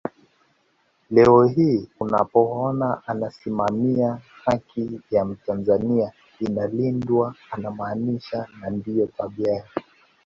Leo hii unapoona anasimamia haki ya mtanzania inalindwa anamaanisha na ndio tabia yake